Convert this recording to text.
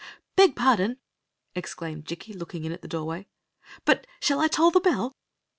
"Beg pardon!" exclaimed Jikki, looking in at the doorway, "but shall I toll the bell?"